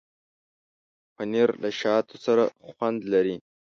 پنېر له شاتو سره خوند لري.